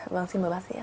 vâng xin mời bác sĩ ạ